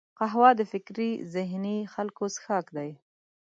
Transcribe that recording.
قهوه د فکري ذهیني خلکو څښاک دی